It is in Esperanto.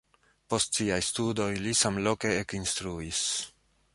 Post siaj studoj li samloke ekinstruis.